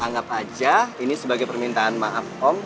anggap aja ini sebagai permintaan maaf om